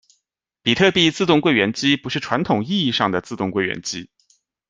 比特币自动柜员机不是传统意义上的自动柜员机。